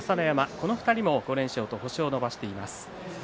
この２人が５連勝星を伸ばしています。